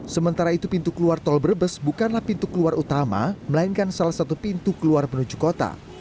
sementara itu pintu keluar tol brebes bukanlah pintu keluar utama melainkan salah satu pintu keluar menuju kota